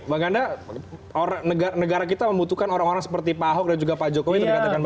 bang kanda negara kita membutuhkan orang orang seperti pak ahok dan juga pak jokowi